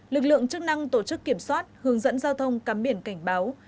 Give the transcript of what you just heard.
lực lượng chức năng tổ chức kiểm soát hướng dẫn giao thông cắm biển cảnh báo